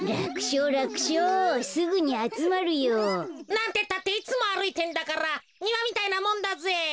なんてったっていつもあるいてんだからにわみたいなもんだぜ。